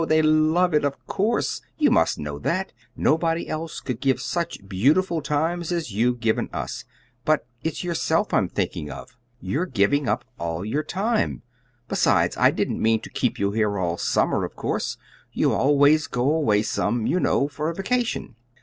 They love it, of course. You must know that. Nobody else could give such beautiful times as you've given us. But it's yourself I'm thinking of. You're giving up all your time. Besides, I didn't mean to keep you here all summer, of course. You always go away some, you know, for a vacation."